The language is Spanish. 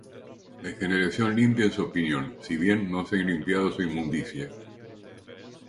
Hay generación limpia en su opinión, Si bien no se ha limpiado su inmundicia.